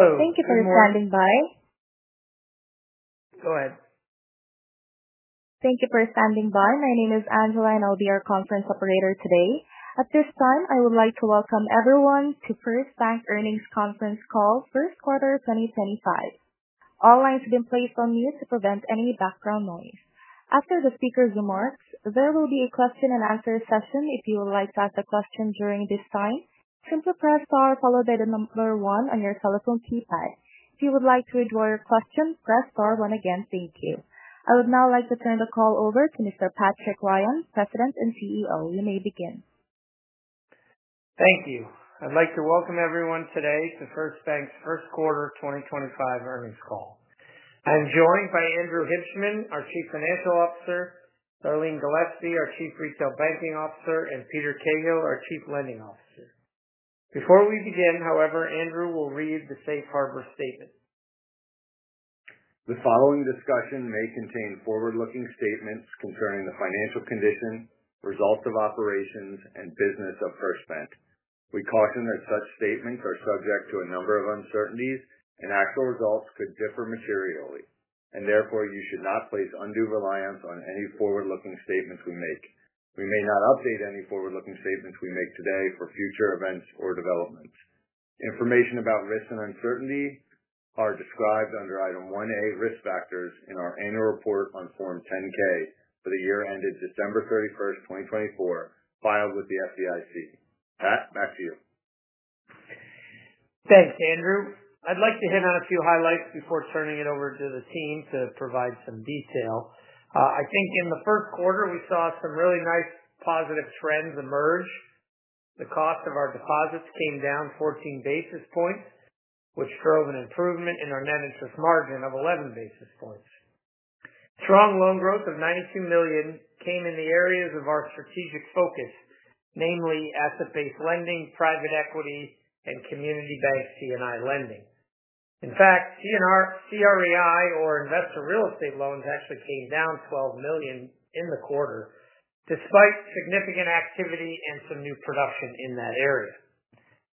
Oh. Thank you for standing by. Go ahead. Thank you for standing by. My name is Angela, and I'll be your conference operator today. At this time, I would like to welcome everyone to First Bank Earnings Conference Call, First Quarter 2025. All lines have been placed on mute to prevent any background noise. After the speaker's remarks, there will be a question-and-answer session. If you would like to ask a question during this time, simply press star followed by the number one on your telephone keypad. If you would like to withdraw your question, press star one again. Thank you. I would now like to turn the call over to Mr. Patrick Ryan, President and CEO. You may begin. Thank you. I'd like to welcome everyone today to First Bank's First Quarter 2025 Earnings Call. I'm joined by Andrew Hibshman, our Chief Financial Officer, Darleen Gillespie, our Chief Retail Banking Officer, and Peter Cahill, our Chief Lending Officer. Before we begin, however, Andrew will read the Safe Harbor Statement. The following discussion may contain forward-looking statements concerning the financial condition, results of operations, and business of First Bank. We caution that such statements are subject to a number of uncertainties, and actual results could differ materially. Therefore, you should not place undue reliance on any forward-looking statements we make. We may not update any forward-looking statements we make today for future events or developments. Information about risks and uncertainty are described under Item 1A, Risk Factors, in our annual report on Form 10-K for the year ended December 31, 2024, filed with the FDIC. Pat, back to you. Thanks, Andrew. I'd like to hit on a few highlights before turning it over to the team to provide some detail. I think in the first quarter, we saw some really nice positive trends emerge. The cost of our deposits came down 14 basis points, which drove an improvement in our net interest margin of 11 basis points. Strong loan growth of $92 million came in the areas of our strategic focus, namely asset-based lending, private equity, and community bank C&I lending. In fact, CRE, or investor real estate loans, actually came down $12 million in the quarter, despite significant activity and some new production in that area.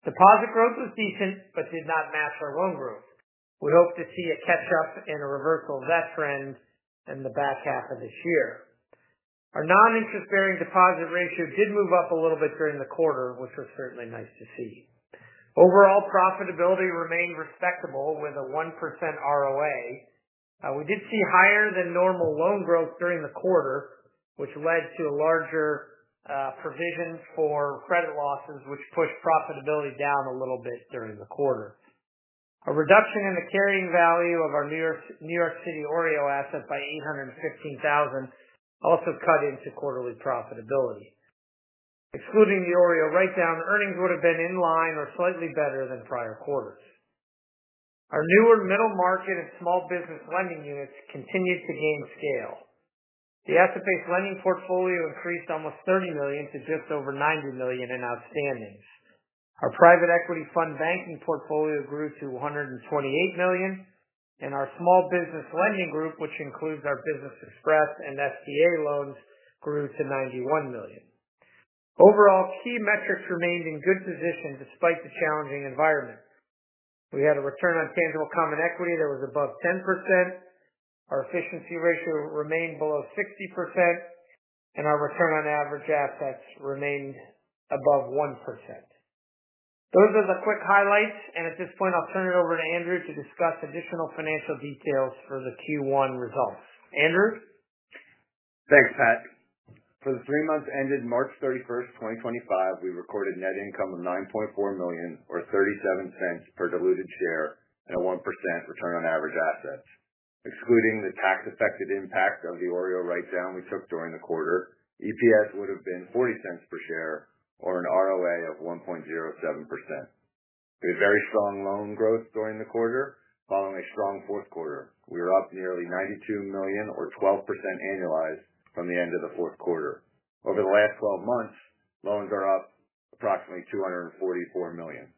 Deposit growth was decent but did not match our loan growth. We hope to see a catch-up and a reversal of that trend in the back half of this year. Our non-interest-bearing deposit ratio did move up a little bit during the quarter, which was certainly nice to see. Overall, profitability remained respectable with a 1% ROA. We did see higher-than-normal loan growth during the quarter, which led to a larger provision for credit losses, which pushed profitability down a little bit during the quarter. A reduction in the carrying value of our New York City OREO asset by $815,000 also cut into quarterly profitability. Excluding the OREO write-down, earnings would have been in line or slightly better than prior quarters. Our newer middle-market and small business lending units continued to gain scale. The asset-based lending portfolio increased almost $30 million to just over $90 million in outstandings. Our private equity fund banking portfolio grew to $128 million, and our small business lending group, which includes our Business Express and SBA loans, grew to $91 million. Overall, key metrics remained in good position despite the challenging environment. We had a return on tangible common equity that was above 10%. Our efficiency ratio remained below 60%, and our return on average assets remained above 1%. Those are the quick highlights. At this point, I'll turn it over to Andrew to discuss additional financial details for the Q1 results. Andrew? Thanks, Pat. For the three months ended March 31, 2025, we recorded net income of $9.4 million, or $0.37 per diluted share, and a 1% return on average assets. Excluding the tax-affected impact of the OREO write-down we took during the quarter, EPS would have been $0.40 per share or an ROA of 1.07%. We had very strong loan growth during the quarter, following a strong fourth quarter. We were up nearly $92 million, or 12% annualized, from the end of the fourth quarter. Over the last 12 months, loans are up approximately $244 million.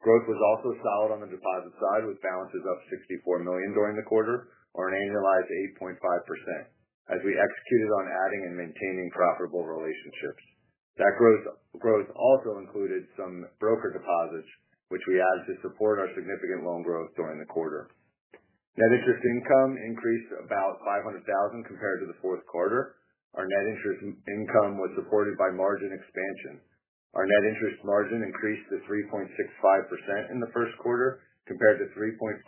Growth was also solid on the deposit side, with balances up $64 million during the quarter, or an annualized 8.5%, as we executed on adding and maintaining profitable relationships. That growth also included some broker deposits, which we added to support our significant loan growth during the quarter. Net interest income increased about $500,000 compared to the fourth quarter. Our net interest income was supported by margin expansion. Our net interest margin increased to 3.65% in the first quarter compared to 3.54%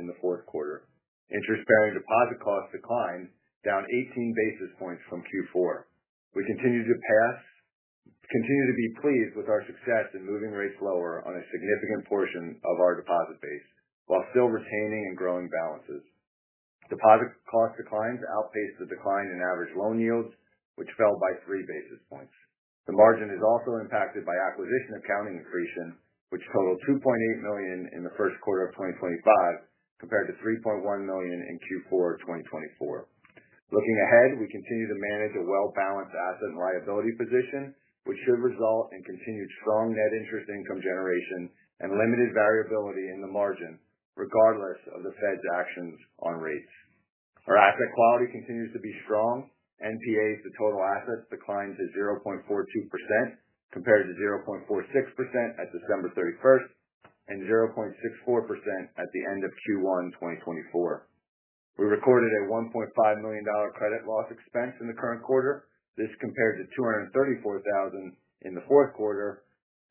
in the fourth quarter. Interest-bearing deposit costs declined, down 18 basis points from Q4. We continue to be pleased with our success in moving rates lower on a significant portion of our deposit base while still retaining and growing balances. Deposit cost declines outpaced the decline in average loan yields, which fell by three basis points. The margin is also impacted by acquisition accounting accretion, which totaled $2.8 million in the first quarter of 2025 compared to $3.1 million in Q4 2024. Looking ahead, we continue to manage a well-balanced asset and liability position, which should result in continued strong net interest income generation and limited variability in the margin, regardless of the Fed's actions on rates. Our asset quality continues to be strong. NPAs to total assets declined to 0.42% compared to 0.46% at December 31 and 0.64% at the end of Q1 2024. We recorded a $1.5 million credit loss expense in the current quarter. This compared to $234,000 in the fourth quarter,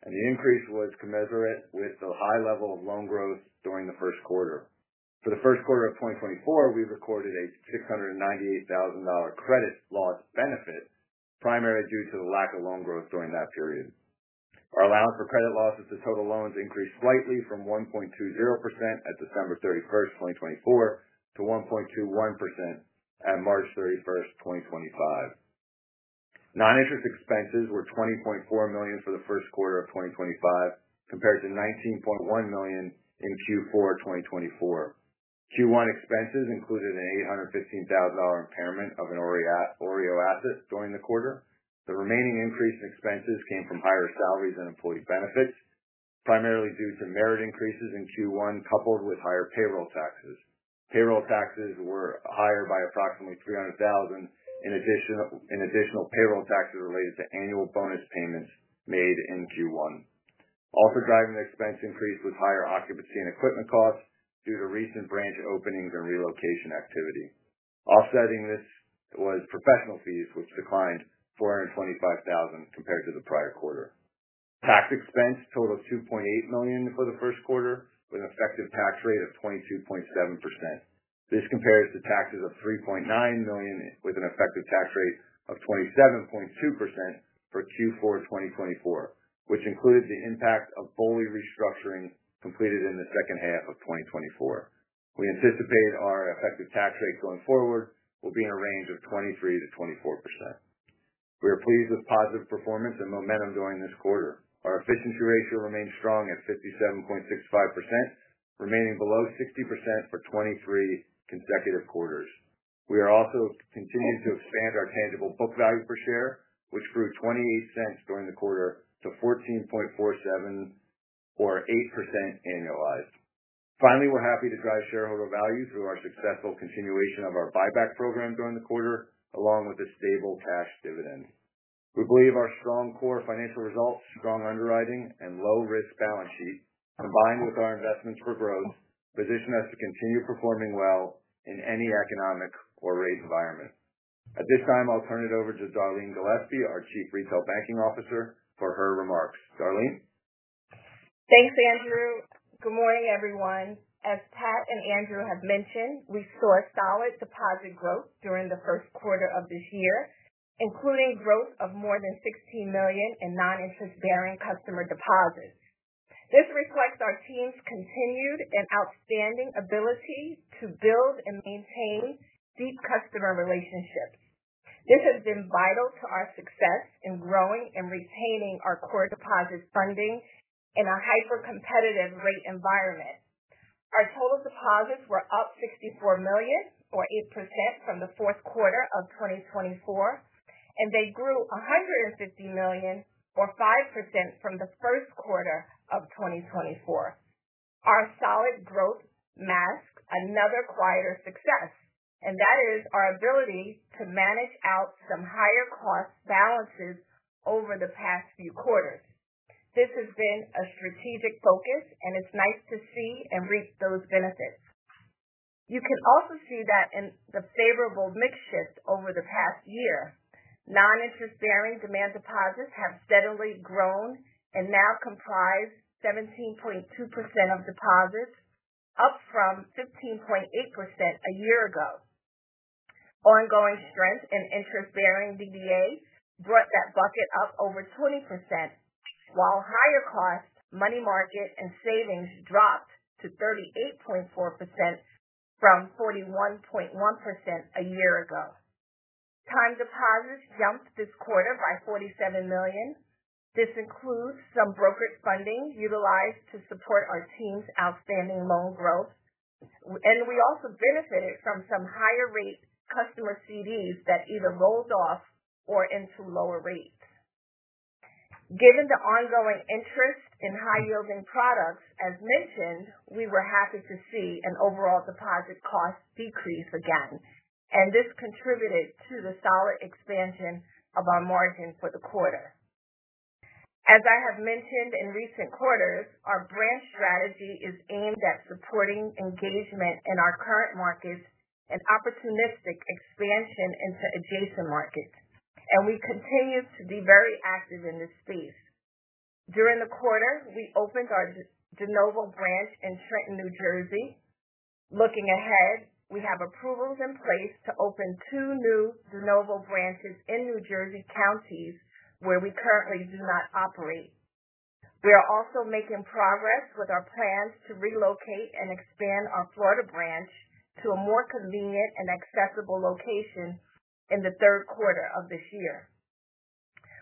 and the increase was commensurate with the high level of loan growth during the first quarter. For the first quarter of 2024, we recorded a $698,000 credit loss benefit, primarily due to the lack of loan growth during that period. Our allowance for credit losses to total loans increased slightly from 1.20% at December 31, 2024, to 1.21% at March 31, 2025. Non-interest expenses were $20.4 million for the first quarter of 2025 compared to $19.1 million in Q4 2024. Q1 expenses included an $815,000 impairment of an OREO asset during the quarter. The remaining increase in expenses came from higher salaries and employee benefits, primarily due to merit increases in Q1 coupled with higher payroll taxes. Payroll taxes were higher by approximately $300,000 in additional payroll taxes related to annual bonus payments made in Q1. Also driving the expense increase was higher occupancy and equipment costs due to recent branch openings and relocation activity. Offsetting this was professional fees, which declined $425,000 compared to the prior quarter. Tax expense totaled $2.8 million for the first quarter with an effective tax rate of 22.7%. This compares to taxes of $3.9 million with an effective tax rate of 27.2% for Q4 2024, which included the impact of full restructuring completed in the second half of 2024. We anticipate our effective tax rate going forward will be in a range of 23%-24%. We are pleased with positive performance and momentum during this quarter. Our efficiency ratio remained strong at 57.65%, remaining below 60% for 23 consecutive quarters. We are also continuing to expand our tangible book value per share, which grew $0.28 during the quarter to $14.47, or 8% annualized. Finally, we're happy to drive shareholder value through our successful continuation of our buyback program during the quarter, along with a stable cash dividend. We believe our strong core financial results, strong underwriting, and low-risk balance sheet, combined with our investments for growth, position us to continue performing well in any economic or rate environment. At this time, I'll turn it over to Darleen Gillespie, our Chief Retail Banking Officer, for her remarks. Darleen? Thanks, Andrew. Good morning, everyone. As Pat and Andrew have mentioned, we saw solid deposit growth during the first quarter of this year, including growth of more than $16 million in non-interest-bearing customer deposits. This reflects our team's continued and outstanding ability to build and maintain deep customer relationships. This has been vital to our success in growing and retaining our core deposit funding in a hyper-competitive rate environment. Our total deposits were up $64 million, or 8%, from the fourth quarter of 2024, and they grew $150 million, or 5%, from the first quarter of 2024. Our solid growth masks another quieter success, and that is our ability to manage out some higher cost balances over the past few quarters. This has been a strategic focus, and it's nice to see and reap those benefits. You can also see that in the favorable mix shift over the past year. Non-interest-bearing demand deposits have steadily grown and now comprise 17.2% of deposits, up from 15.8% a year ago. Ongoing strength in interest-bearing DDA brought that bucket up over 20%, while higher costs, money market, and savings dropped to 38.4% from 41.1% a year ago. Time deposits jumped this quarter by $47 million. This includes some brokerage funding utilized to support our team's outstanding loan growth, and we also benefited from some higher-rate customer CDs that either rolled off or into lower rates. Given the ongoing interest in high-yielding products, as mentioned, we were happy to see an overall deposit cost decrease again, and this contributed to the solid expansion of our margin for the quarter. As I have mentioned in recent quarters, our branch strategy is aimed at supporting engagement in our current markets and opportunistic expansion into adjacent markets, and we continue to be very active in this space. During the quarter, we opened our de novo branch in Trenton, New Jersey. Looking ahead, we have approvals in place to open two new de novo branches in New Jersey counties where we currently do not operate. We are also making progress with our plans to relocate and expand our Florida branch to a more convenient and accessible location in the third quarter of this year.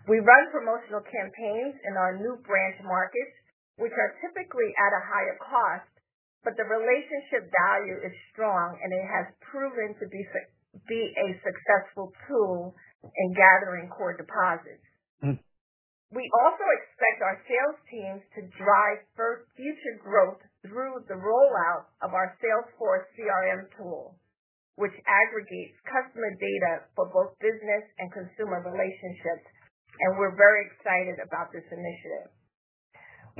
We run promotional campaigns in our new branch markets, which are typically at a higher cost, but the relationship value is strong, and it has proven to be a successful tool in gathering core deposits. We also expect our sales teams to drive future growth through the rollout of our Salesforce CRM tool, which aggregates customer data for both business and consumer relationships, and we're very excited about this initiative.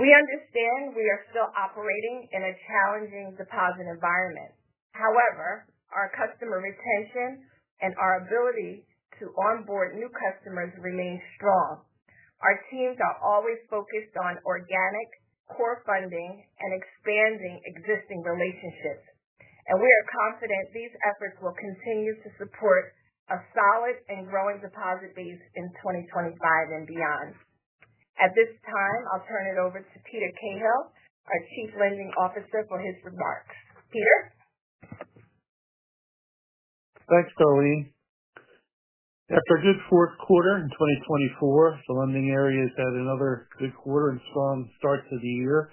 We understand we are still operating in a challenging deposit environment. However, our customer retention and our ability to onboard new customers remain strong. Our teams are always focused on organic core funding and expanding existing relationships, and we are confident these efforts will continue to support a solid and growing deposit base in 2025 and beyond. At this time, I'll turn it over to Peter Cahill, our Chief Lending Officer, for his remarks. Peter? Thanks, Darleen. After a good fourth quarter in 2024, the lending area has had another good quarter and strong start to the year.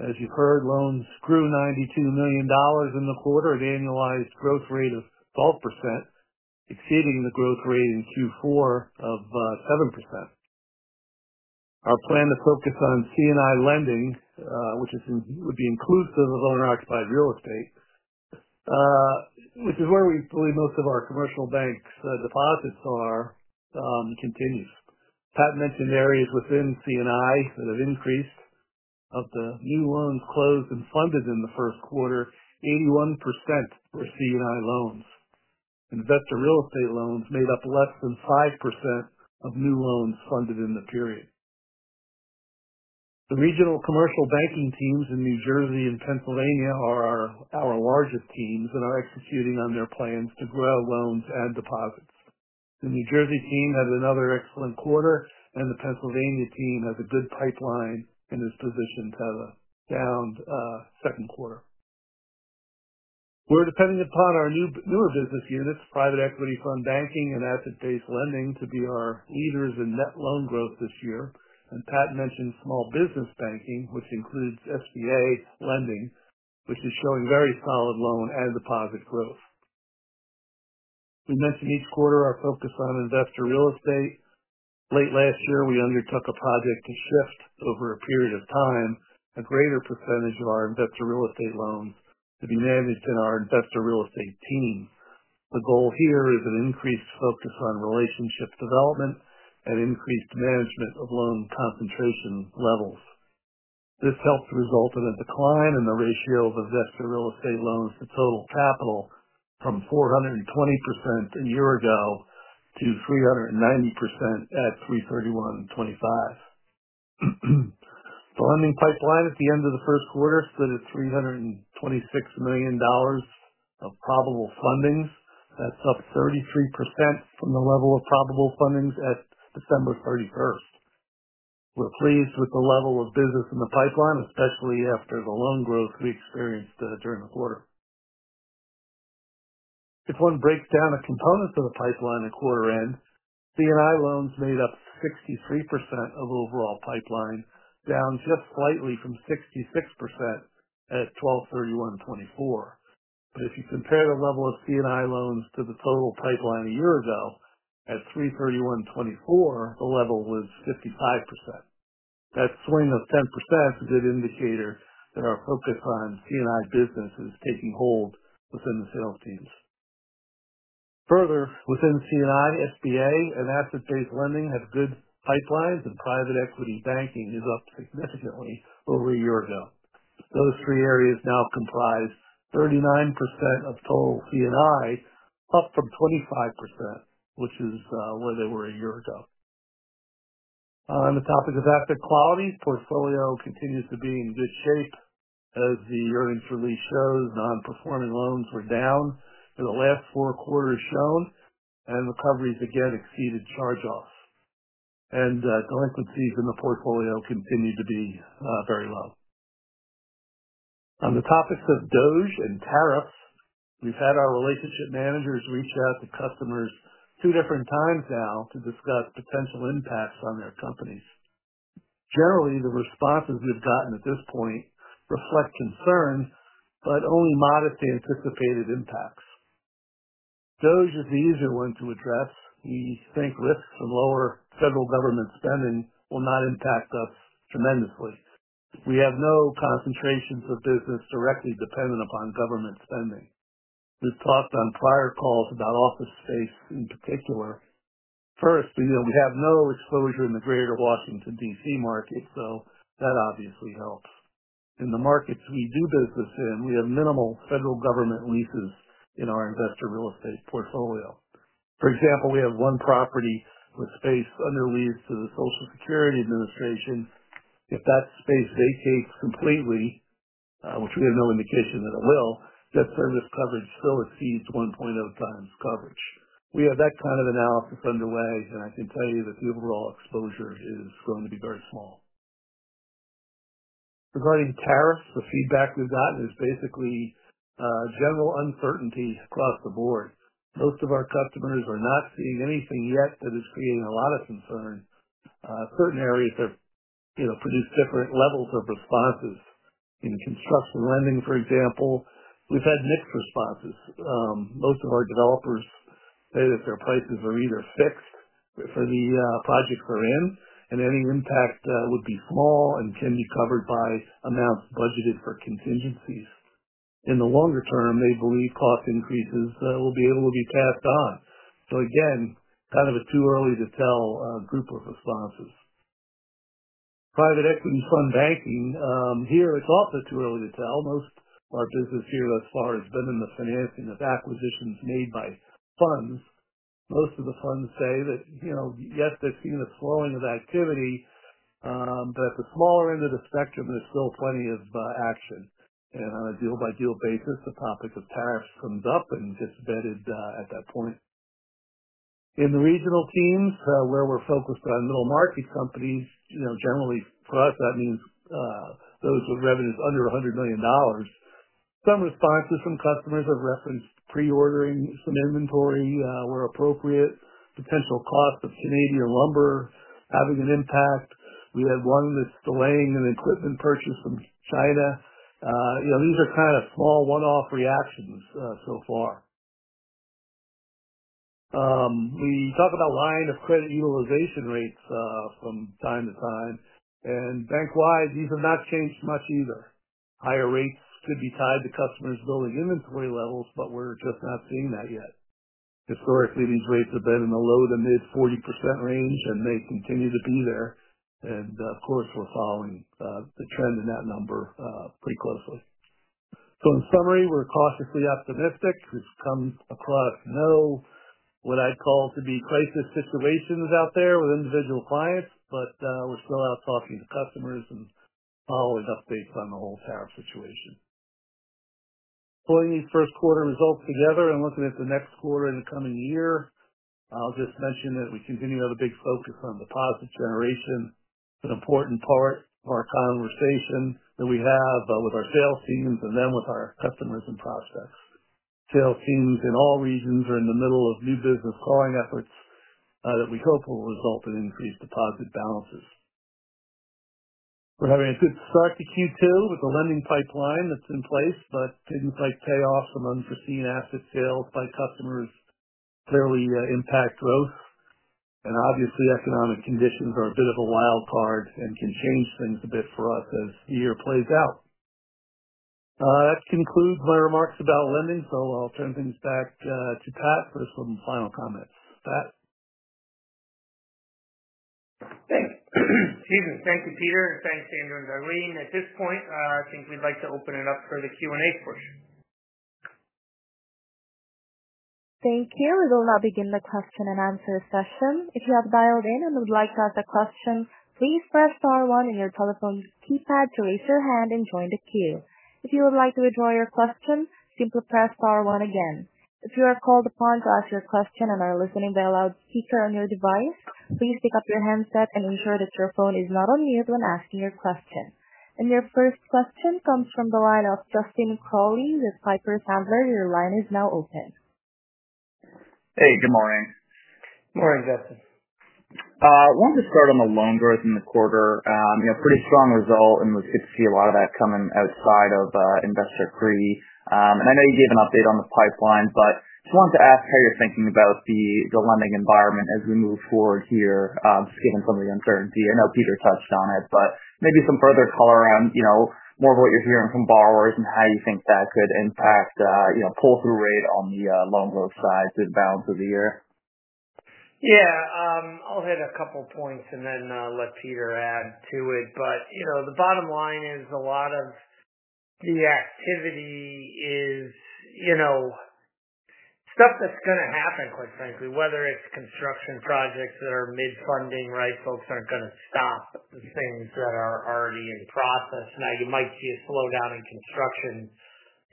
As you've heard, loans grew $92 million in the quarter at an annualized growth rate of 12%, exceeding the growth rate in Q4 of 7%. Our plan to focus on C&I lending, which would be inclusive of owner-occupied real estate, which is where we believe most of our commercial bank's deposits are, continues. Pat mentioned areas within C&I that have increased. Of the new loans closed and funded in the first quarter, 81% were C&I loans. Investor real estate loans made up less than 5% of new loans funded in the period. The regional commercial banking teams in New Jersey and Pennsylvania are our largest teams and are executing on their plans to grow loans and deposits. The New Jersey team had another excellent quarter, and the Pennsylvania team has a good pipeline and is positioned to have a sound second quarter. We're depending upon our newer business units, private equity fund banking and asset-based lending, to be our leaders in net loan growth this year. Pat mentioned small business banking, which includes SBA lending, which is showing very solid loan and deposit growth. We mentioned each quarter our focus on investor real estate. Late last year, we undertook a project to shift, over a period of time, a greater percentage of our investor real estate loans to be managed in our investor real estate team. The goal here is an increased focus on relationship development and increased management of loan concentration levels. This helped result in a decline in the ratio of investor real estate loans to total capital from 420% a year ago to 390% at 3/31/2025. The lending pipeline at the end of the first quarter stood at $326 million of probable fundings. That's up 33% from the level of probable fundings at December 31. We're pleased with the level of business in the pipeline, especially after the loan growth we experienced during the quarter. If one breaks down the components of the pipeline at quarter end, C&I loans made up 63% of overall pipeline, down just slightly from 66% at 12/31/2024. If you compare the level of C&I loans to the total pipeline a year ago, at 3/31/2024, the level was 55%. That swing of 10% is a good indicator that our focus on C&I business is taking hold within the sales teams. Further, within C&I, SBA and asset-based lending have good pipelines, and private equity banking is up significantly over a year ago. Those three areas now comprise 39% of total C&I, up from 25%, which is where they were a year ago. On the topic of asset quality, the portfolio continues to be in good shape. As the earnings release shows, non-performing loans were down for the last four quarters shown, and recoveries again exceeded charge-offs. Delinquencies in the portfolio continue to be very low. On the topics of DOGE and tariffs, we've had our relationship managers reach out to customers two different times now to discuss potential impacts on their companies. Generally, the responses we've gotten at this point reflect concern, but only modestly anticipated impacts. DOGE is the easier one to address. We think risks from lower federal government spending will not impact us tremendously. We have no concentrations of business directly dependent upon government spending. We've talked on prior calls about office space in particular. First, we have no exposure in the greater Washington, D.C. market, so that obviously helps. In the markets we do business in, we have minimal federal government leases in our investor real estate portfolio. For example, we have one property with space under lease to the Social Security Administration. If that space vacates completely, which we have no indication that it will, debt service coverage still exceeds 1.0 times coverage. We have that kind of analysis underway, and I can tell you that the overall exposure is going to be very small. Regarding tariffs, the feedback we've gotten is basically general uncertainty across the board. Most of our customers are not seeing anything yet that is creating a lot of concern. Certain areas have produced different levels of responses. In construction lending, for example, we've had mixed responses. Most of our developers say that their prices are either fixed for the projects they're in, and any impact would be small and can be covered by amounts budgeted for contingencies. In the longer term, they believe cost increases will be able to be passed on. Again, kind of a too early to tell group of responses. Private equity fund banking, here it's also too early to tell. Most of our business here thus far has been in the financing of acquisitions made by funds. Most of the funds say that, yes, they've seen a slowing of activity, but at the smaller end of the spectrum, there's still plenty of action. On a deal-by-deal basis, the topic of tariffs comes up and gets vetted at that point. In the regional teams, where we're focused on middle market companies, generally for us, that means those with revenues under $100 million. Some responses from customers have referenced pre-ordering some inventory where appropriate, potential cost of Canadian lumber having an impact. We had one that's delaying an equipment purchase from China. These are kind of small one-off reactions so far. We talk about line of credit utilization rates from time to time, and bank-wide, these have not changed much either. Higher rates could be tied to customers' building inventory levels, but we're just not seeing that yet. Historically, these rates have been in the low to mid 40% range, and they continue to be there. Of course, we're following the trend in that number pretty closely. In summary, we're cautiously optimistic. We've come across no what I'd call to be crisis situations out there with individual clients, but we're still out talking to customers and following updates on the whole tariff situation. Pulling these first quarter results together and looking at the next quarter and the coming year, I'll just mention that we continue to have a big focus on deposit generation. It's an important part of our conversation that we have with our sales teams and then with our customers and prospects. Sales teams in all regions are in the middle of new business calling efforts that we hope will result in increased deposit balances. We're having a good start to Q2 with the lending pipeline that's in place, but things like payoffs from unforeseen asset sales by customers clearly impact growth. Obviously, economic conditions are a bit of a wild card and can change things a bit for us as the year plays out. That concludes my remarks about lending, so I'll turn things back to Pat for some final comments. Pat? Thanks. Excuse me. Thank you, Peter. Thanks, Andrew and Darleen. At this point, I think we'd like to open it up for the Q&A portion. Thank you. We will now begin the question and answer session. If you have dialed in and would like to ask a question, please press star one on your telephone's keypad to raise your hand and join the queue. If you would like to withdraw your question, simply press star one again. If you are called upon to ask your question and are listening by a loudspeaker on your device, please pick up your handset and ensure that your phone is not on mute when asking your question. Your first question comes from the line of Justin Crowley with Piper Sandler. Your line is now open. Hey, good morning. Good morning, Justin. I wanted to start on the loan growth in the quarter. Pretty strong result, and we've got to see a lot of that coming outside of investor real estate. I know you gave an update on the pipeline, but just wanted to ask how you're thinking about the lending environment as we move forward here, just given some of the uncertainty. I know Peter touched on it, but maybe some further color on more of what you're hearing from borrowers and how you think that could impact pull-through rate on the loan growth side through the balance of the year. Yeah. I'll hit a couple of points and then let Peter add to it. The bottom line is a lot of the activity is stuff that's going to happen, quite frankly, whether it's construction projects that are mid-funding, right? Folks aren't going to stop the things that are already in process. You might see a slowdown in construction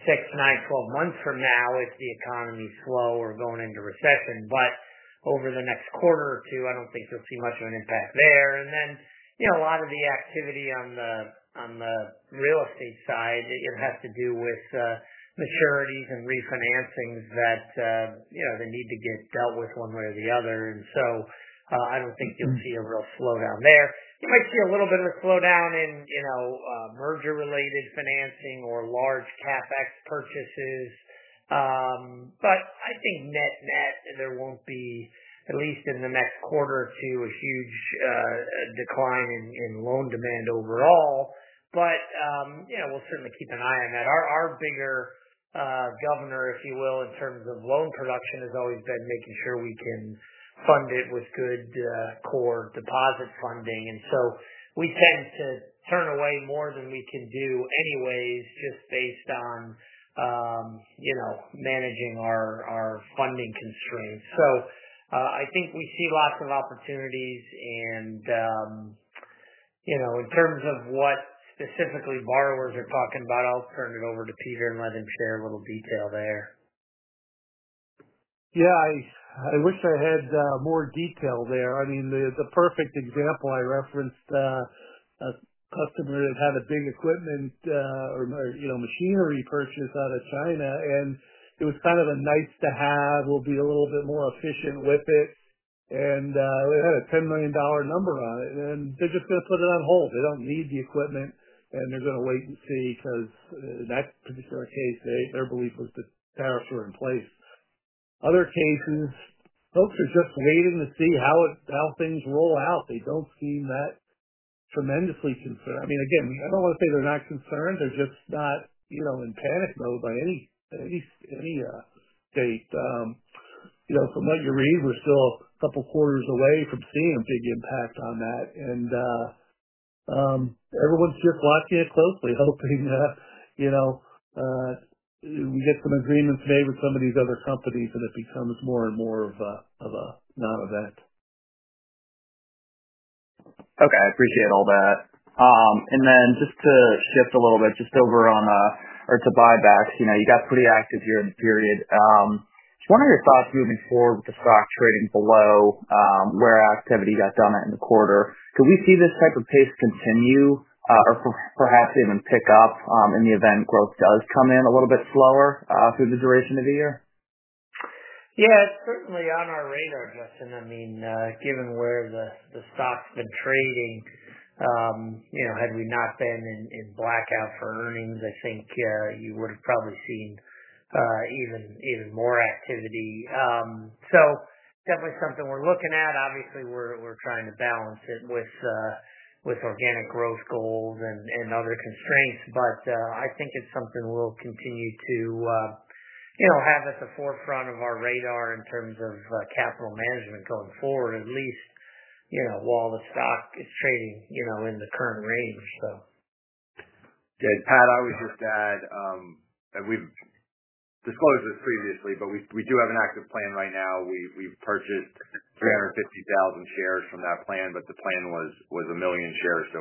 6, 9, 12 months from now if the economy's slow or going into recession. Over the next quarter or two, I don't think you'll see much of an impact there. A lot of the activity on the real estate side has to do with maturities and refinancings that they need to get dealt with one way or the other. I don't think you'll see a real slowdown there. You might see a little bit of a slowdown in merger-related financing or large CapEx purchases. I think net-net, there won't be, at least in the next quarter or two, a huge decline in loan demand overall. We'll certainly keep an eye on that. Our bigger governor, if you will, in terms of loan production has always been making sure we can fund it with good core deposit funding. We tend to turn away more than we can do anyways just based on managing our funding constraints. I think we see lots of opportunities. In terms of what specifically borrowers are talking about, I'll turn it over to Peter and let him share a little detail there. Yeah. I wish I had more detail there. I mean, the perfect example I referenced, a customer that had a big equipment or machinery purchase out of China, and it was kind of a nice-to-have. We'll be a little bit more efficient with it. And it had a $10 million number on it. They're just going to put it on hold. They do not need the equipment, and they're going to wait and see because in that particular case, their belief was the tariffs were in place. Other cases, folks are just waiting to see how things roll out. They do not seem that tremendously concerned. I mean, again, I do not want to say they're not concerned. They're just not in panic mode by any date. From what you read, we're still a couple of quarters away from seeing a big impact on that. Everyone's just watching it closely, hoping we get some agreements made with some of these other companies, and it becomes more and more of a non-event. Okay. I appreciate all that. Just to shift a little bit over to buybacks, you got pretty active here in the period. Just wanted your thoughts moving forward with the stock trading below where activity got done in the quarter. Could we see this type of pace continue or perhaps even pick up in the event growth does come in a little bit slower through the duration of the year? Yeah. It's certainly on our radar, Justin. I mean, given where the stock's been trading, had we not been in blackout for earnings, I think you would have probably seen even more activity. Definitely something we're looking at. Obviously, we're trying to balance it with organic growth goals and other constraints, but I think it's something we'll continue to have at the forefront of our radar in terms of capital management going forward, at least while the stock is trading in the current range. Good. Pat, I would just add, and we've disclosed this previously, but we do have an active plan right now. We've purchased 350,000 shares from that plan, but the plan was a million shares. So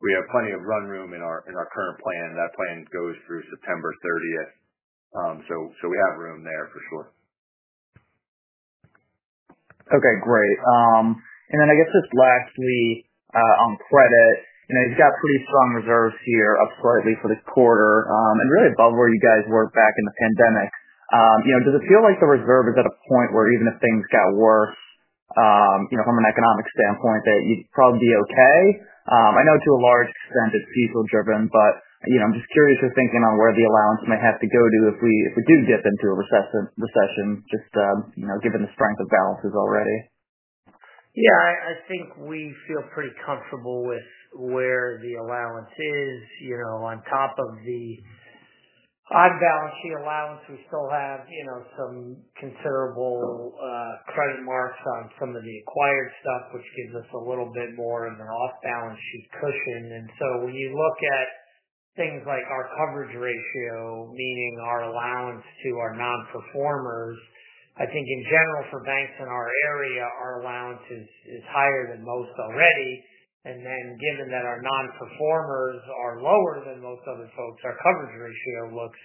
we have plenty of run room in our current plan. That plan goes through September 30. We have room there for sure. Okay. Great. I guess just lastly on credit, you've got pretty strong reserves here, up slightly for the quarter, and really above where you guys were back in the pandemic. Does it feel like the reserve is at a point where even if things got worse, from an economic standpoint, that you'd probably be okay? I know to a large extent it's diesel-driven, but I'm just curious your thinking on where the allowance might have to go to if we do dip into a recession, just given the strength of balances already. Yeah. I think we feel pretty comfortable with where the allowance is. On top of the on-balance sheet allowance, we still have some considerable credit marks on some of the acquired stuff, which gives us a little bit more of an off-balance sheet cushion. When you look at things like our coverage ratio, meaning our allowance to our non-performers, I think in general for banks in our area, our allowance is higher than most already. Given that our non-performers are lower than most other folks, our coverage ratio looks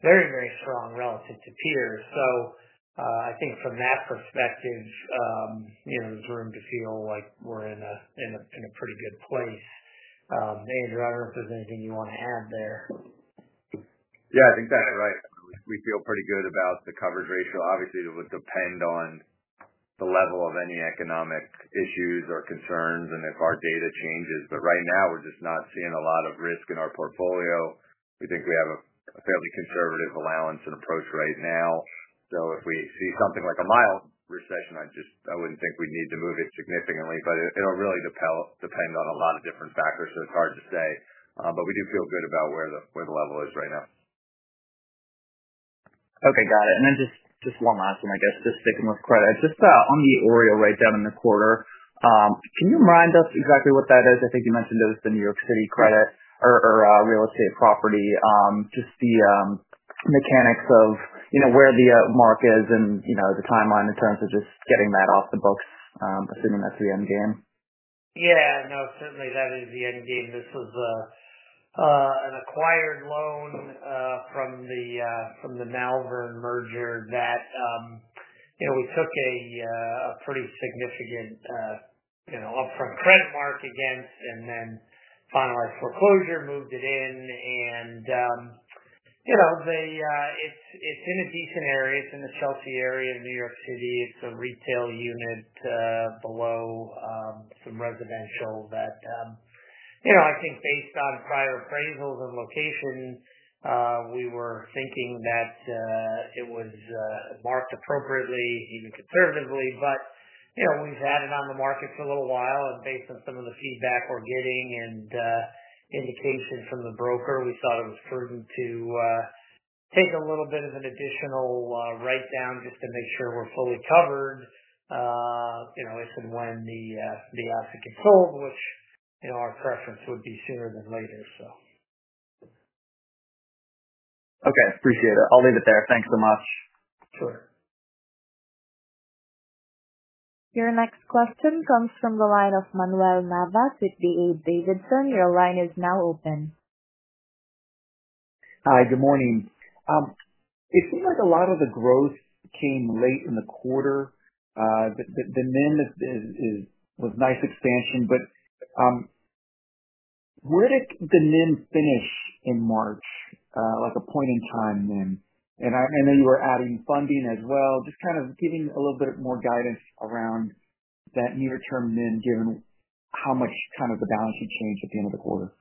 very, very strong relative to peers. I think from that perspective, there's room to feel like we're in a pretty good place. Andrew, I don't know if there's anything you want to add there. Yeah. I think that's right. We feel pretty good about the coverage ratio. Obviously, it would depend on the level of any economic issues or concerns and if our data changes. Right now, we're just not seeing a lot of risk in our portfolio. We think we have a fairly conservative allowance and approach right now. If we see something like a mild recession, I wouldn't think we'd need to move it significantly, but it'll really depend on a lot of different factors, so it's hard to say. We do feel good about where the level is right now. Okay. Got it. Just one last one, I guess, just sticking with credit. Just on the OREO write-down in the quarter, can you remind us exactly what that is? I think you mentioned it was the New York City credit or real estate property, just the mechanics of where the mark is and the timeline in terms of just getting that off the books, assuming that's the end game? Yeah. No, certainly that is the end game. This was an acquired loan from the Malvern merger that we took a pretty significant upfront credit mark against and then finalized foreclosure, moved it in. It is in a decent area. It is in the Chelsea area of New York City. It is a retail unit below some residential that I think based on prior appraisals and location, we were thinking that it was marked appropriately, even conservatively. We have had it on the market for a little while, and based on some of the feedback we are getting and indication from the broker, we thought it was prudent to take a little bit of an additional write-down just to make sure we are fully covered if and when the asset gets sold, which our preference would be sooner than later. Okay. Appreciate it. I'll leave it there. Thanks so much. Sure. Your next question comes from the line of Manuel Navas with D.A. Davidson. Your line is now open. Hi. Good morning. It seems like a lot of the growth came late in the quarter. The NIM was nice expansion, but where did the NIM finish in March, like a point in time NIM? I know you were adding funding as well. Just kind of giving a little bit more guidance around that near-term NIM given how much kind of the balance sheet changed at the end of the quarter.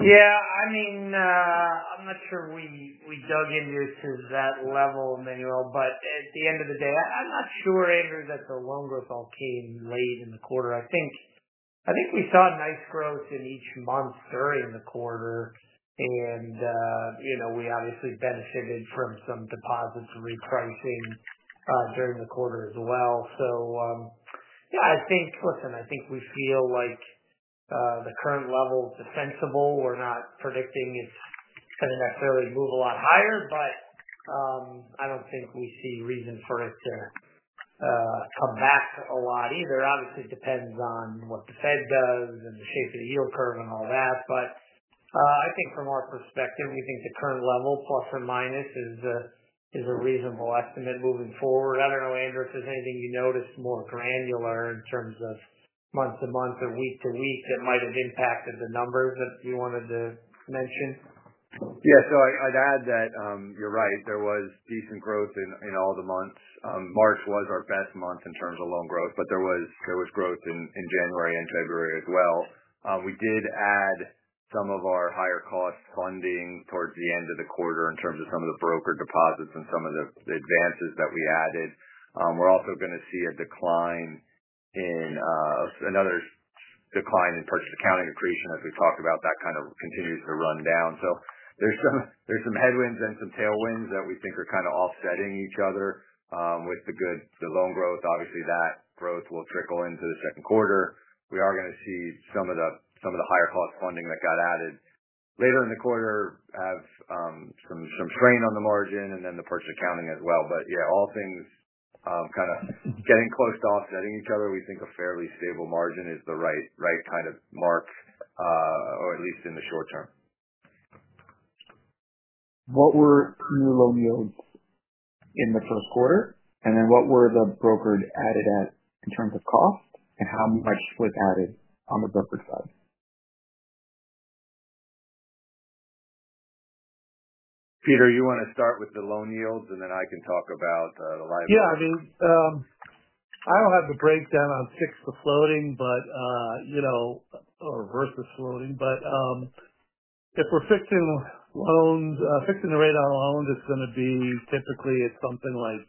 Yeah. I mean, I'm not sure we dug into it to that level, Manuel, but at the end of the day, I'm not sure, Andrew, that the loan growth all came late in the quarter. I think we saw nice growth in each month during the quarter, and we obviously benefited from some deposits and repricing during the quarter as well. Yeah, I think, listen, I think we feel like the current level is defensible. We're not predicting it's going to necessarily move a lot higher, but I don't think we see reason for it to come back a lot either. Obviously, it depends on what the Fed does and the shape of the yield curve and all that. I think from our perspective, we think the current level, plus or minus, is a reasonable estimate moving forward. I don't know, Andrew, if there's anything you noticed more granular in terms of month-to-month or week-to-week that might have impacted the numbers that you wanted to mention. Yeah. I'd add that you're right. There was decent growth in all the months. March was our best month in terms of loan growth, but there was growth in January and February as well. We did add some of our higher-cost funding towards the end of the quarter in terms of some of the broker deposits and some of the advances that we added. We're also going to see a decline in another decline in purchase accounting accretion as we've talked about. That kind of continues to run down. There are some headwinds and some tailwinds that we think are kind of offsetting each other with the good loan growth. Obviously, that growth will trickle into the second quarter. We are going to see some of the higher-cost funding that got added later in the quarter have some strain on the margin and then the purchase accounting as well. Yeah, all things kind of getting close to offsetting each other, we think a fairly stable margin is the right kind of mark, or at least in the short term. What were new loan yields in the first quarter? What were the broker added at in terms of cost, and how much was added on the broker side? Peter, you want to start with the loan yields, and then I can talk about the liabilities. Yeah. I mean, I do not have the breakdown on fixed to floating or versus floating. But if we are fixing the rate on loans, it is going to be typically at something like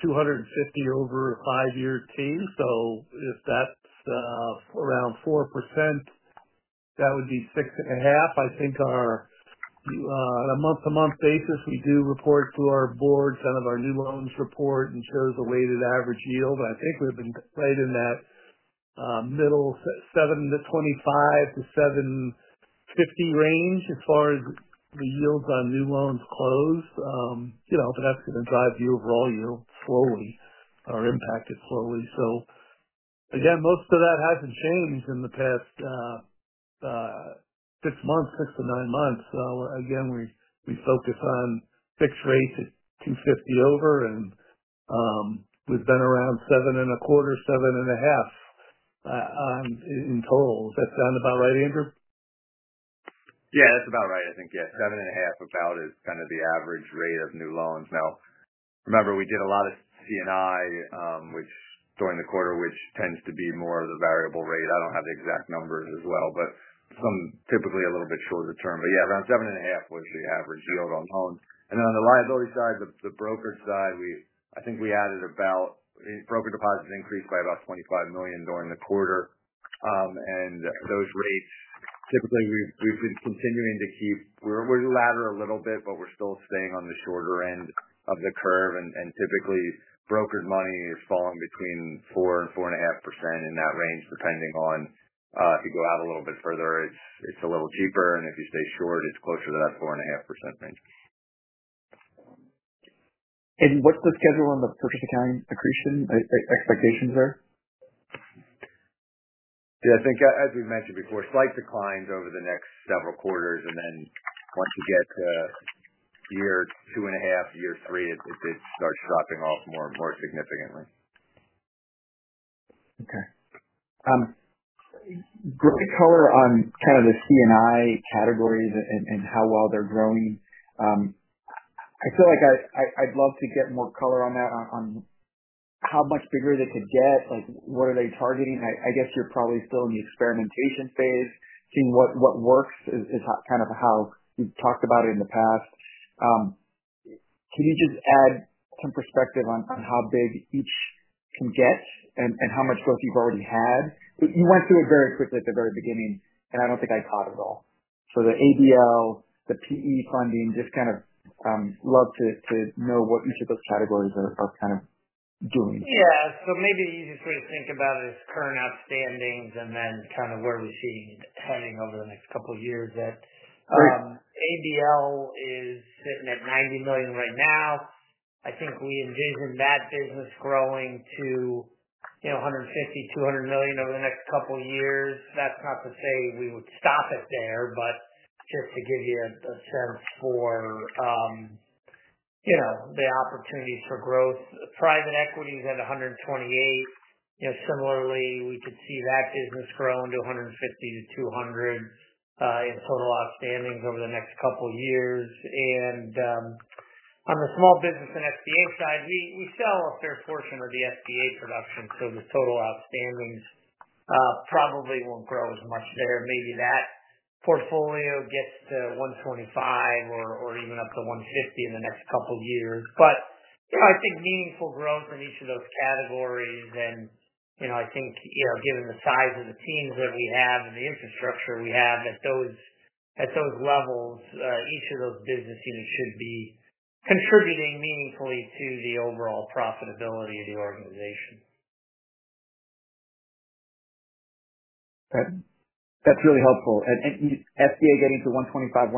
250 over a five-year T. If that is around 4%, that would be 6 and a half. I think on a month-to-month basis, we do report to our board kind of our new loans report and it shows a weighted average yield. I think we have been right in that middle 7.25-7.50 range as far as the yields on new loans close. That is going to drive the overall yield slowly or impact it slowly. Most of that has not changed in the past six months, six to nine months. We focus on fixed rates at 250 over, and we have been around 7.25, 7.5 in total. Does that sound about right, Andrew? Yeah. That's about right, I think. Yeah. Seven and a half about is kind of the average rate of new loans. Now, remember, we did a lot of C&I during the quarter, which tends to be more of the variable rate. I don't have the exact numbers as well, but some typically a little bit shorter term. Yeah, around seven and a half was the average yield on loans. On the liability side, the broker side, I think we added about broker deposits increased by about $25 million during the quarter. Those rates, typically, we've been continuing to keep, we're ladder a little bit, but we're still staying on the shorter end of the curve. Typically, brokered money is falling between 4%-4.5% in that range, depending on if you go out a little bit further, it's a little cheaper. If you stay short, it's closer to that 4.5% range. What's the schedule on the purchase accounting accretion expectations there? Yeah. I think, as we've mentioned before, slight declines over the next several quarters. Once you get to year two and a half, year three, it starts dropping off more significantly. Okay. Great color on kind of the C&I categories and how well they're growing. I feel like I'd love to get more color on that, on how much bigger they could get, what are they targeting. I guess you're probably still in the experimentation phase, seeing what works is kind of how you've talked about it in the past. Can you just add some perspective on how big each can get and how much growth you've already had? You went through it very quickly at the very beginning, and I don't think I caught it all. The ABL, the PE funding, just kind of love to know what each of those categories are kind of doing. Yeah. Maybe the easiest way to think about it is current outstandings and then kind of where we see heading over the next couple of years. That ABL is sitting at $90 million right now. I think we envision that business growing to $150 million-$200 million over the next couple of years. That's not to say we would stop it there, but just to give you a sense for the opportunities for growth. Private equity is at $128 million. Similarly, we could see that business grow into $150 million-$200 million in total outstandings over the next couple of years. On the small business and SBA side, we sell a fair portion of the SBA production. The total outstandings probably will not grow as much there. Maybe that portfolio gets to $125 million or even up to $150 million in the next couple of years. I think meaningful growth in each of those categories. I think given the size of the teams that we have and the infrastructure we have at those levels, each of those business units should be contributing meaningfully to the overall profitability of the organization. That's really helpful. SBA getting to 125-150,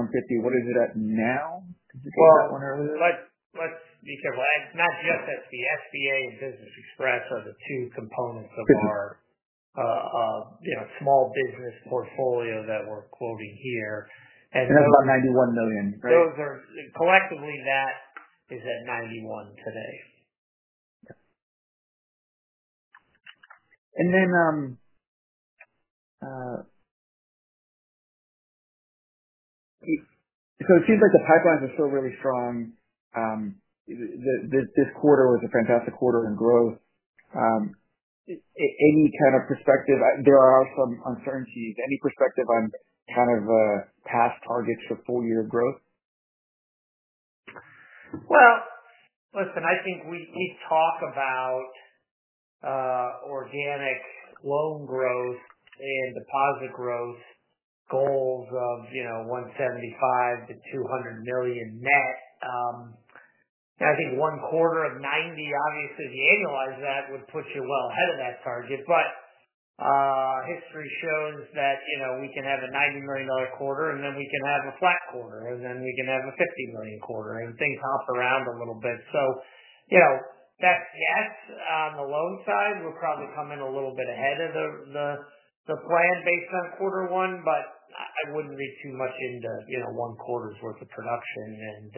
what is it at now? Did you take that one earlier? Let's be careful. Not just SBA. SBA and Business Express are the two components of our small business portfolio that we're quoting here. And those. That's about $91 million, right? Collectively, that is at 91 today. Okay. It seems like the pipelines are still really strong. This quarter was a fantastic quarter in growth. Any kind of perspective? There are some uncertainties. Any perspective on kind of past targets for full-year growth? I think we talk about organic loan growth and deposit growth goals of $175 million-$200 million net. I think one quarter of $90 million, obviously, if you annualize that, would put you well ahead of that target. History shows that we can have a $90 million quarter, and then we can have a flat quarter, and then we can have a $50 million quarter, and things hop around a little bit. That's yes. On the loan side, we're probably coming a little bit ahead of the plan based on quarter one, but I wouldn't read too much into one quarter's worth of production.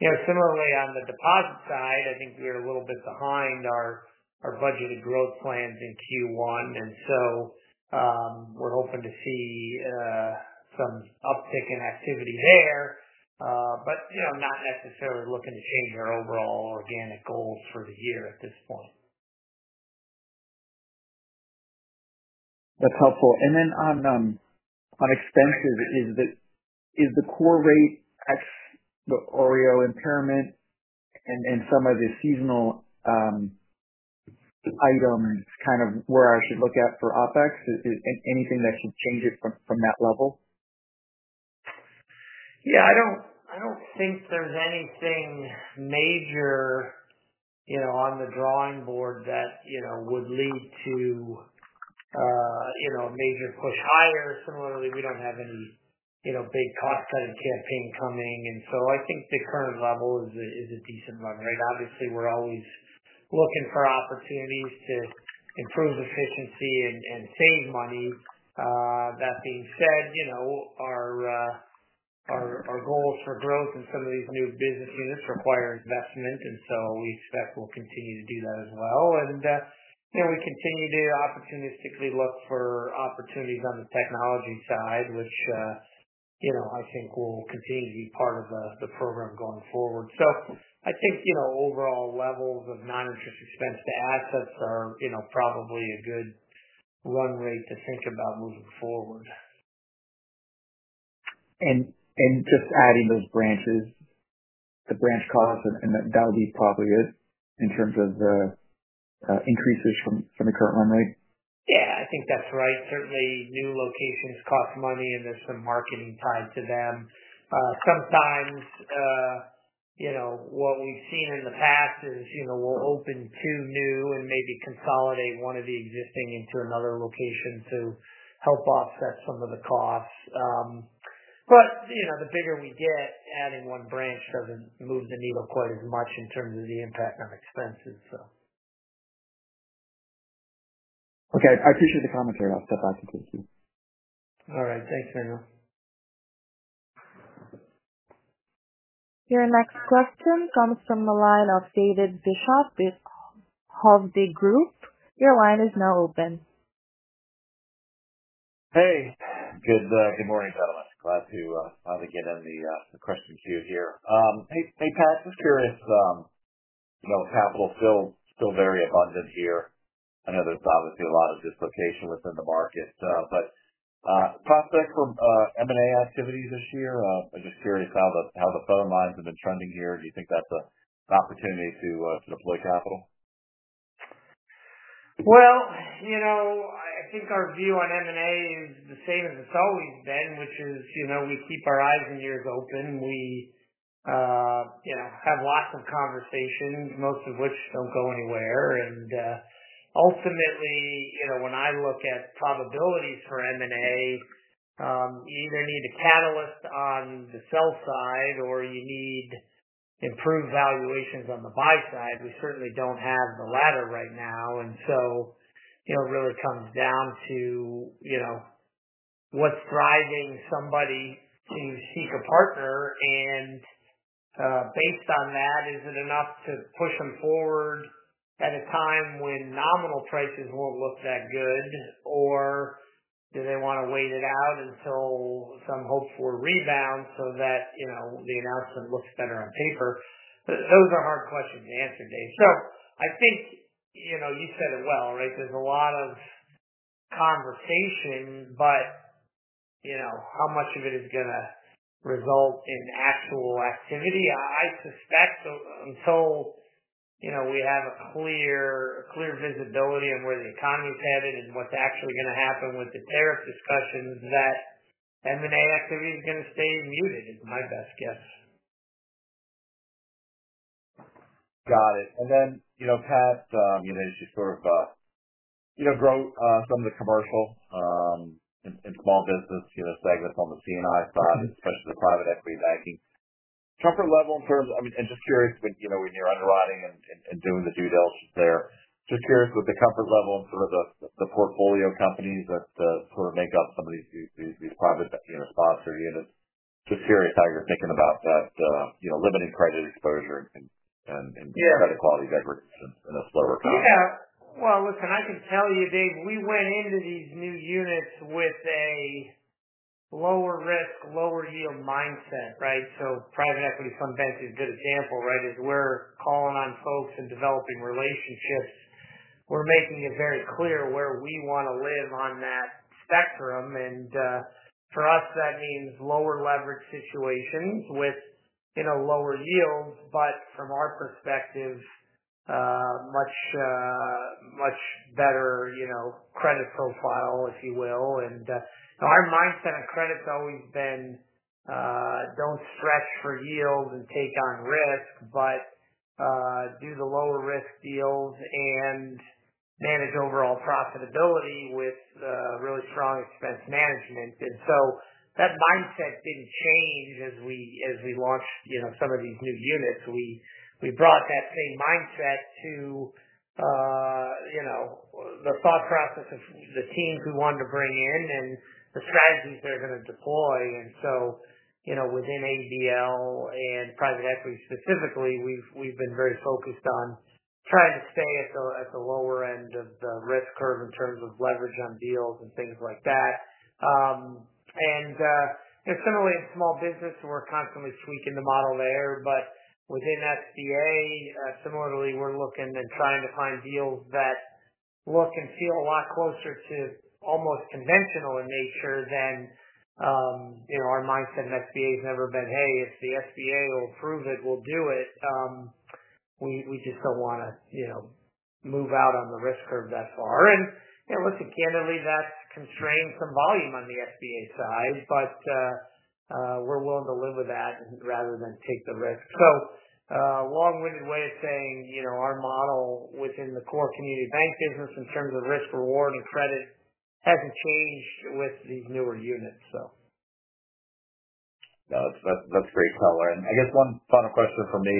Similarly, on the deposit side, I think we're a little bit behind our budgeted growth plans in Q1. We are hoping to see some uptick in activity there, but not necessarily looking to change our overall organic goals for the year at this point. That's helpful. On expenses, is the core rate, excluding the OREO impairment and some of the seasonal items, kind of where I should look at for OpEx? Anything that should change it from that level? Yeah. I do not think there is anything major on the drawing board that would lead to a major push higher. Similarly, we do not have any big cost-cutting campaign coming. I think the current level is a decent one, right? Obviously, we are always looking for opportunities to improve efficiency and save money. That being said, our goals for growth in some of these new business units require investment, and we expect we will continue to do that as well. We continue to opportunistically look for opportunities on the technology side, which I think will continue to be part of the program going forward. I think overall levels of non-interest expense to assets are probably a good run rate to think about moving forward. Just adding those branches, the branch costs, and that'll be probably it in terms of the increases from the current run rate? Yeah. I think that's right. Certainly, new locations cost money, and there's some marketing tied to them. Sometimes what we've seen in the past is we'll open two new and maybe consolidate one of the existing into another location to help offset some of the costs. The bigger we get, adding one branch doesn't move the needle quite as much in terms of the impact on expenses, so. Okay. I appreciate the commentary. I'll step back and take a seat. All right. Thanks, Manuel. Your next question comes from the line of David Bishop with Hovde Group. Your line is now open. Hey. Good morning, gentlemen. Glad to finally get in the question queue here. Hey, Pat. Just curious, capital's still very abundant here. I know there's obviously a lot of dislocation within the market. Prospects for M&A activity this year? I'm just curious how the phone lines have been trending here. Do you think that's an opportunity to deploy capital? I think our view on M&A is the same as it's always been, which is we keep our eyes and ears open. We have lots of conversations, most of which don't go anywhere. Ultimately, when I look at probabilities for M&A, you either need a catalyst on the sell side or you need improved valuations on the buy side. We certainly don't have the latter right now. It really comes down to what's driving somebody to seek a partner. Based on that, is it enough to push them forward at a time when nominal prices won't look that good, or do they want to wait it out until some hope for a rebound so that the announcement looks better on paper? Those are hard questions to answer, Dave. I think you said it well, right? There's a lot of conversation, but how much of it is going to result in actual activity? I suspect until we have a clear visibility on where the economy's headed and what's actually going to happen with the tariff discussions, that M&A activity is going to stay muted is my best guess. Got it. Pat, there's just sort of growth, some of the commercial and small business segments on the C&I side, especially the private equity banking. Comfort level in terms of—I mean, just curious when you're underwriting and doing the due diligence there, just curious with the comfort level in sort of the portfolio companies that sort of make up some of these private sponsored units. Just curious how you're thinking about that limiting credit exposure and credit quality degradation in a slower time. Yeah. Listen, I can tell you, Dave, we went into these new units with a lower risk, lower yield mindset, right? Private equity fund banking is a good example, right, as we're calling on folks and developing relationships. We're making it very clear where we want to live on that spectrum. For us, that means lower leverage situations with lower yields, but from our perspective, much better credit profile, if you will. Our mindset on credit's always been don't stretch for yields and take on risk, but do the lower risk deals and manage overall profitability with really strong expense management. That mindset did not change as we launched some of these new units. We brought that same mindset to the thought process of the teams we wanted to bring in and the strategies they're going to deploy. Within ABL and private equity specifically, we've been very focused on trying to stay at the lower end of the risk curve in terms of leverage on deals and things like that. Similarly, in small business, we're constantly tweaking the model there. Within SBA, similarly, we're looking and trying to find deals that look and feel a lot closer to almost conventional in nature than our mindset in SBA has never been, "Hey, if the SBA will approve it, we'll do it." We just don't want to move out on the risk curve that far. Listen, candidly, that constrains some volume on the SBA side, but we're willing to live with that rather than take the risk. A long-winded way of saying our model within the core community bank business in terms of risk, reward, and credit hasn't changed with these newer units. No, that's great color. I guess one final question for me.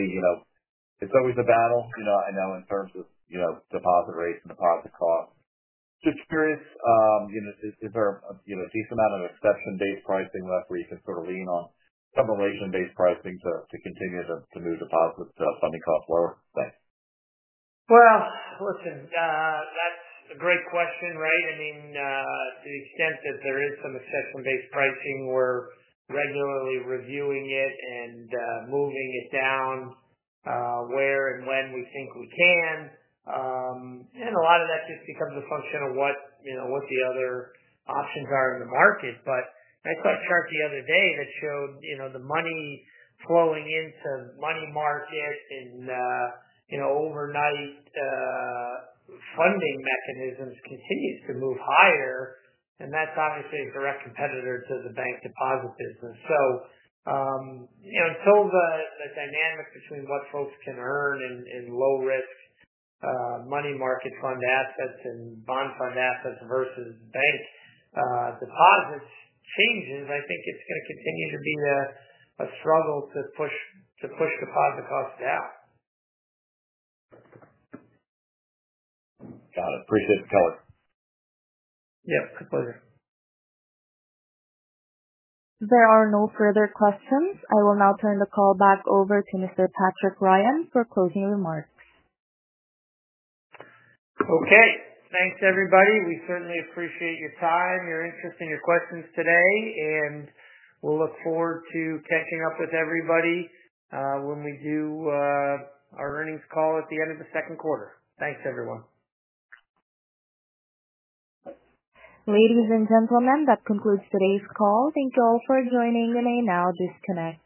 It's always a battle. I know in terms of deposit rates and deposit costs, just curious, is there a decent amount of exception-based pricing left where you can sort of lean on some relation-based pricing to continue to move deposit funding costs lower? Thanks. Listen, that's a great question, right? I mean, to the extent that there is some exception-based pricing, we're regularly reviewing it and moving it down where and when we think we can. A lot of that just becomes a function of what the other options are in the market. I saw a chart the other day that showed the money flowing into money market and overnight funding mechanisms continues to move higher. That's obviously a direct competitor to the bank deposit business. Until the dynamic between what folks can earn in low-risk money market fund assets and bond fund assets versus bank deposits changes, I think it's going to continue to be a struggle to push deposit costs down. Got it. Appreciate the color. Yep. A pleasure. There are no further questions. I will now turn the call back over to Mr. Patrick Ryan for closing remarks. Okay. Thanks, everybody. We certainly appreciate your time, your interest, and your questions today. We will look forward to catching up with everybody when we do our earnings call at the end of the second quarter. Thanks, everyone. Ladies and gentlemen, that concludes today's call. Thank you all for joining. You may now disconnect.